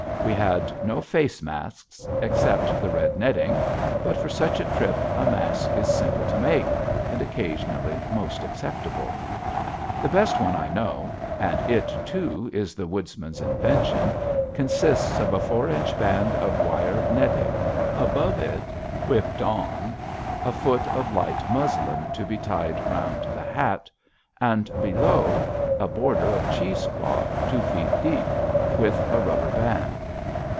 We had no face masks, except the red netting, but, for such a trip, a mask is simple to make and occasionally most acceptable. The best one I know and it, too, is the Woodsman's invention consists of a four inch band of wire netting; above it, whipped on, a foot of light muslin to be tied round the hat, and, below, a border of cheese cloth two feet deep, with a rubber band.